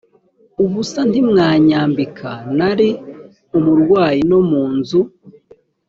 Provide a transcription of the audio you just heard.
ubusa ntimwanyambika nari umurwayi no mu nzu